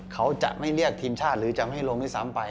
เขาจะไม่เรียกทีมชาติหรือจะไม่ลงที่สามไป